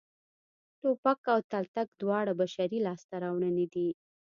ټوپک او تلتک دواړه بشري لاسته راوړنې دي